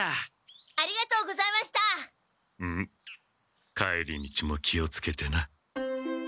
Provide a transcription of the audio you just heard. ウム帰り道も気をつけてな。